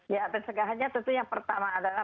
ya pencegahannya tentu yang pertama adalah